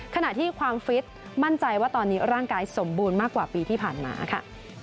ขณะที่ความฟิตมั่นใจว่าตอนนี้ร่างกายสมบูรณ์มากกว่าปีที่ผ่านมาค่ะ